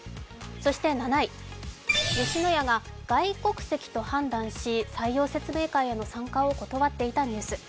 そして７位、吉野家が外国籍と判断し、採用説明会への参加を断っていたニュース。